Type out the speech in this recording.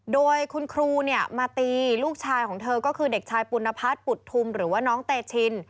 โดยคุณครูเนี่ยมาตีลูกชายของเธอก็คือเด็กชายปุณพัฒน์ปุฏธุมหรือว่าน้องเตชิน